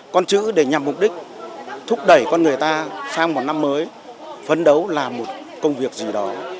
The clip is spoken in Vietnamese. con chữ để nhằm mục đích thúc đẩy con người ta sang một năm mới phấn đấu làm một công việc gì đó